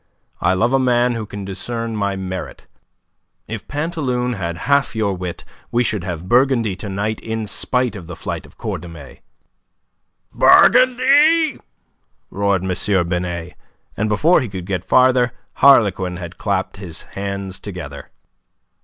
I love a man who can discern my merit. If Pantaloon had half your wit, we should have Burgundy to night in spite of the flight of Cordemais." "Burgundy?" roared M. Binet, and before he could get farther Harlequin had clapped his hands together.